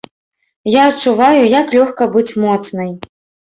Я адчуваю, як лёгка быць моцнай.